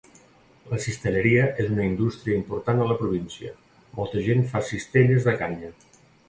La cistelleria és una indústria important a la província; molta gent fa cistelles de canya.